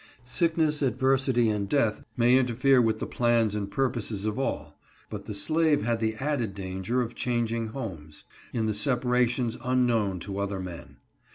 Sickness, adversity, and death may interfere with the plans and purposes of all, but the slave had the added danger of changing homes, in the separations unknown to other men.